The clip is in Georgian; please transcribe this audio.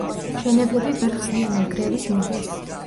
მშენებლები ვერ ხსნიან ნგრევის მიზეზს.